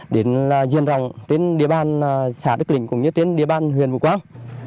đến diện rộng đến địa bàn xã đức lĩnh cũng như đến địa bàn huyện vũ quang